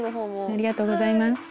ありがとうございます。